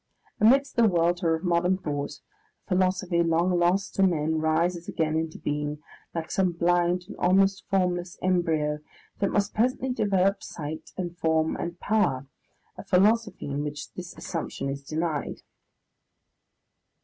Amidst the welter of modern thought, a philosophy long lost to men rises again into being, like some blind and almost formless embryo, that must presently develop sight, and form, and power, a philosophy in which this assumption is denied.